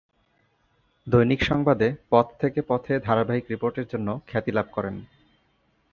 দৈনিক সংবাদে "পথ থেকে পথে" ধারাবাহিক রিপোর্টের জন্য খ্যাতি লাভ করেন।